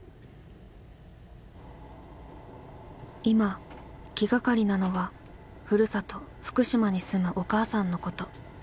今気がかりなのはふるさと福島に住むお母さんのこと。